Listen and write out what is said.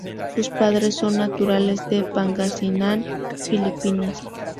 Sus padres son naturales de Pangasinán, Filipinas.